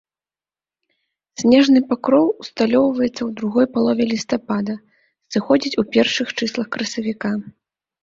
Снежны пакроў усталёўваецца ў другой палове лістапада, сыходзіць у першых чыслах красавіка.